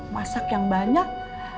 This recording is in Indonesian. masak yang banyak